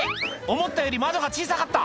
思ったより窓が小さかった」